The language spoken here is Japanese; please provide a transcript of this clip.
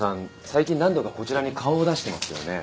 最近何度かこちらに顔を出してますよね？